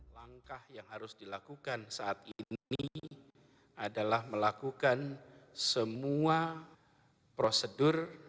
langkah yang harus dilakukan saat ini adalah melakukan semua prosedur